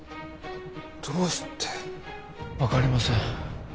どうして分かりません